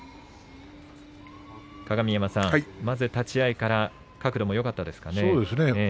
鏡山さん、まず立ち合いから角度もよかったですかね。